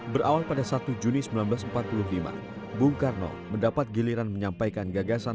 berawal pada satu juni seribu sembilan ratus empat puluh lima bung karno mendapat giliran menyampaikan gagasan